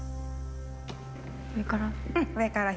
上から？